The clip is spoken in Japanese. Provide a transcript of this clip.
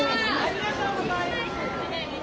ありがとうございます。